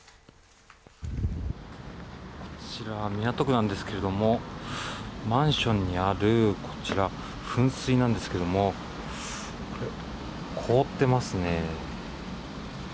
こちら港区なんですけれどもマンションにある、こちら噴水なんですけど凍ってますね。